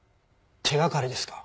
手がかりですか？